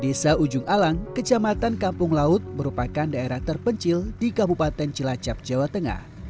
desa ujung alang kecamatan kampung laut merupakan daerah terpencil di kabupaten cilacap jawa tengah